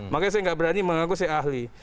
makanya saya nggak berani mengaku saya ahli